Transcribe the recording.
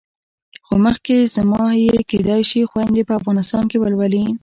خو مخکې زما یې کېدای شي خویندې په افغانستان کې ولولي.